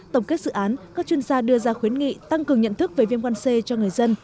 tổng kết dự án các chuyên gia đưa ra khuyến nghị tăng cường nhận thức về viêm gan c cho người dân